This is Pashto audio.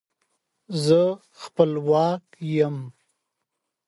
منطق او دلیل باید وکارول شي.